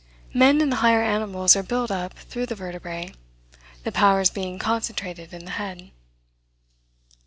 Men and the higher animals are built up through the vertebrae, the powers being concentrated in the head."